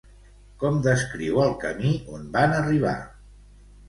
Com descriu el camí on van arribar?